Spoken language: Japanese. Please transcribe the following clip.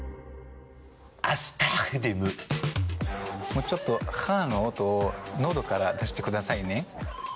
もうちょっと「ハァ」の音をのどから出してくださいね。